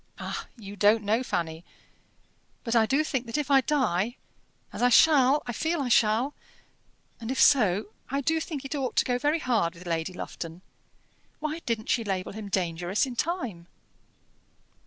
"Ah! you don't know, Fanny. But I do think that if I die as I shall I feel I shall; and if so, I do think it ought to go very hard with Lady Lufton. Why didn't she label him 'dangerous' in time?"